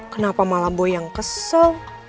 kenapa malam boy yang kesel